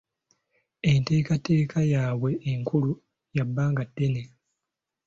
Enteekateeka y'abwe enkulu ya bbanga ddene.